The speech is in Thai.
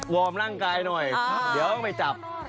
วอร์มร่างกายหน่อยเด๋วมันไปจับ